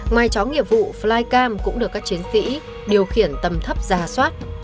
ngoài chó nghiệp vụ flycam cũng được các chiến sĩ điều khiển tầm thấp ra soát